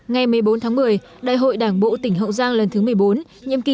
ngày một mươi bốn tháng một mươi đại hội đảng bộ tp hcm lần thứ một mươi bốn nhiệm kỳ hai nghìn hai mươi